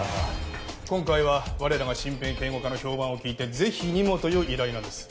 今回は我らが身辺警護課の評判を聞いて是非にもという依頼なんです。